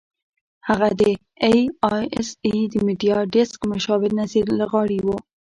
هغه د اى ايس اى د میډیا ډیسک مشاور نذیر لغاري وو.